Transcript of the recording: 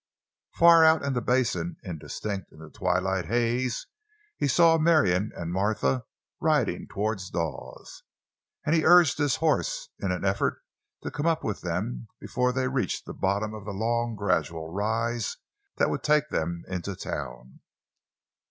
Far out in the basin, indistinct in the twilight haze, he saw Marion and Martha riding toward Dawes, and he urged his horse in an effort to come up with them before they reached the bottom of the long, gradual rise that would take them into town.